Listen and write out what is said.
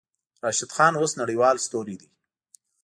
راشد خان اوس نړۍوال ستوری دی.